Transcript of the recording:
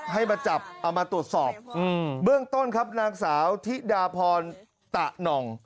ให้มาจับเอามาตรวจสอบเบื้องต้นครับนางสาวธิดาพรตะหน่อง